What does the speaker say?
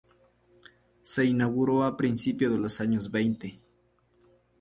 Se inauguró a principio de los años veinte.